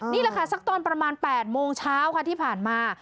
นี่แหละค่ะสักตอนประมาณ๘โมงเช้าค่ะที่ผ่านมา